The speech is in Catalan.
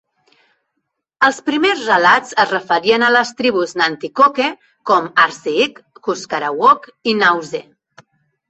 Els primers relats es referien a les tribus Nanticoke com Arseek, Cuscarawoc i Nause.